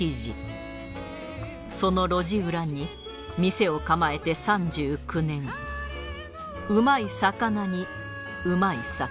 その路地裏に店を構えて３９年うまい魚にうまい酒